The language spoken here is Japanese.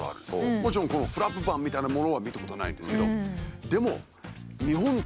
もちろんこのフラップ板みたいなものは見たことないですけど。